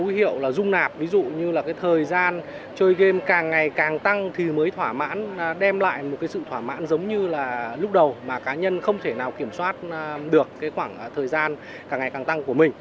hiệu là dung nạp ví dụ như là cái thời gian chơi game càng ngày càng tăng thì mới thỏa mãn đem lại một cái sự thỏa mãn giống như là lúc đầu mà cá nhân không thể nào kiểm soát được khoảng thời gian càng ngày càng tăng của mình